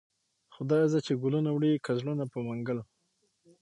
خداى زده چې گلونه وړې كه زړونه په منگل